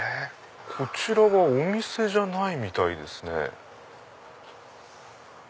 こちらはお店じゃないみたいですね。